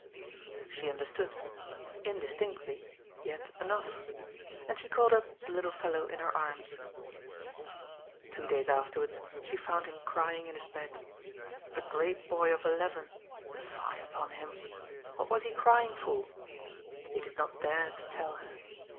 She understood — indistinctly, yet enough. And she caught up the little fellow in her arms. Two days afterwards she found him crying in his bed — a great boy of eleven. Fie upon him ! What was he cry ing for ? He did not dare to tell her.